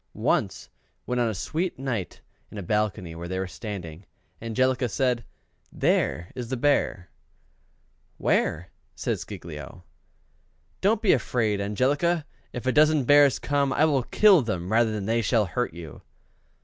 Once when on a sweet night in a balcony where they were standing, Angelica said, "There is the Bear" "Where?" says Giglio. "Don't be afraid, Angelica! if a dozen bears come, I will kill them rather than they shall hurt you."